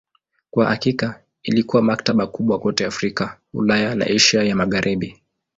Kwa hakika ilikuwa maktaba kubwa kote Afrika, Ulaya na Asia ya Magharibi.